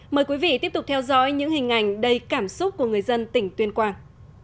mời quý vị tiếp tục theo dõi những hình ảnh đầy cảm xúc của người dân tỉnh tuyên quang